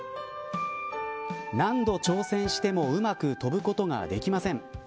何度挑戦してもうまく飛ぶことができません。